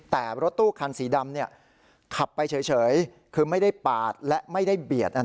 แต่รถตู้คันสีดำขับไปเฉยคือไม่ได้ปาดและไม่ได้เบียด